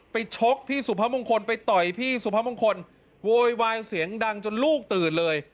ชกพี่สุพมงคลไปต่อยพี่สุพมงคลโวยวายเสียงดังจนลูกตื่นเลย